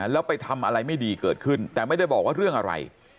แล้วไปทำอะไรไม่ดีเกิดขึ้นแต่ไม่ได้บอกว่าเรื่องอะไร